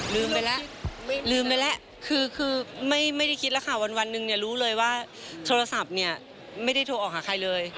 ลืมไปแล้วลืมไปแล้วคือไม่ได้คิดแล้วค่ะวันหนึ่งเนี่ยรู้เลยว่าโทรศัพท์เนี่ยไม่ได้โทรออกหาใครเลย